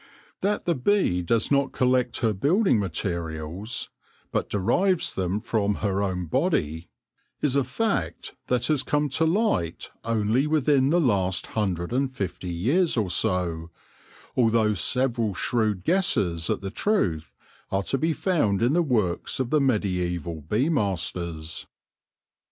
That the bee does not collect her building materials, but derives them from her own body, is a fact that THE COMB BUILDERS 13; has come to light only within the last hundred and fifty years or so, although several shrewd guesses at the truth are to be found in the works of the mediaeval bee masters.